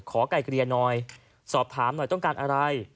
ไก่เกลี่ยหน่อยสอบถามหน่อยต้องการอะไร